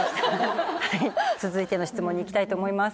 続いての質問に行きたいと思います。